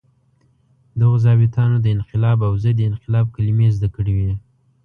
دغو ظابیطانو د انقلاب او ضد انقلاب کلمې زده کړې وې.